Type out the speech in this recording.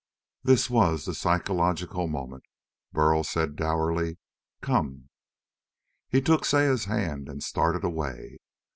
This was the psychological moment. Burl said dourly: "Come!" He took Saya's hand and started away.